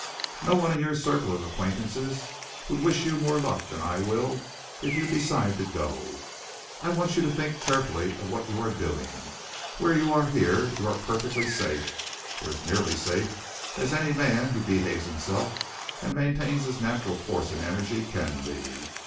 No one in your circle of acquaintances would wish you more luck than I will if you decide to go. I want you to think carefully of what you are doing. Where you are here you are perfectly safe, or as nearly safe as any man is who behaves himself and maintains his natural force and energy can be.